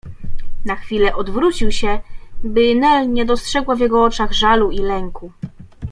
Na chwilę odwrócił się, by Nel nie dostrzegła w jego oczach żalu i lęku.